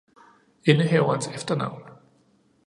Indehaverens efternavn